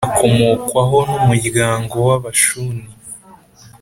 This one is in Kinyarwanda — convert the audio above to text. akomokwaho n’ umuryango w ‘Abashuni.